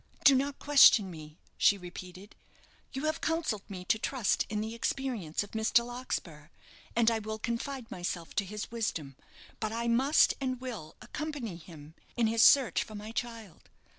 "Do not question me," she repeated. "You have counselled me to trust in the experience of Mr. Larkspur, and I will confide myself to his wisdom; but I must and will accompany him in his search for my child.